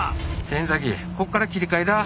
先こっから切り替えだ！